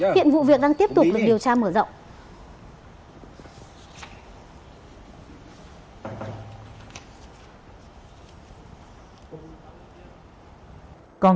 hiện vụ việc đang tiếp tục được điều tra mở rộng